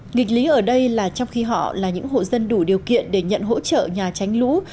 nghịch lý ở đây là trong khi họ là những hộ dân đủ điều kiện để nhận hỗ trợ nhà tránh lũ